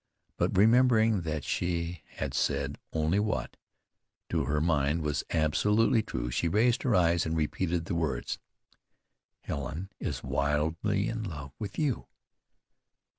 But remembering that she had said only what, to her mind, was absolutely true, she raised her eyes and repeated the words: "Helen is wildly'in love with you."